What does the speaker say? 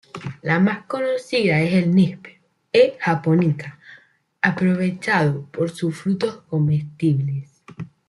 La más conocida es el níspero, "E. japonica", aprovechado por sus frutos comestibles.